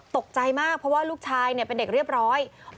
ตกใจมากเพราะว่าลูกชายเป็นเด็กเรียบร้อย